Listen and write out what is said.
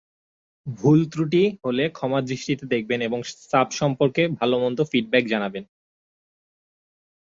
ভুলত্রুটি হলে ক্ষমার দৃষ্টিতে দেখবেন এবং সাব সম্পর্কে ভালো মন্দ ফিডব্যাক জানাবেন।